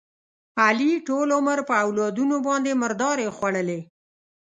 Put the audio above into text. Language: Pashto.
علي ټول عمر په اولادونو باندې مردارې وخوړلې.